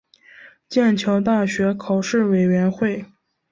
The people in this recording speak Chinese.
剑桥大学考试委员会